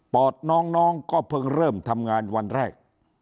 อดน้องก็เพิ่งเริ่มทำงานวันแรก